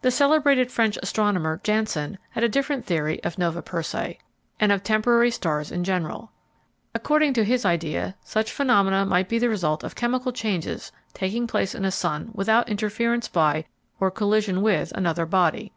The celebrated French astronomer, Janssen, had a different theory of Nova Persei, and of temporary stars in general. According to his idea, such phenomena might be the result of chemical changes taking place in a sun without interference by, or collision with, another body.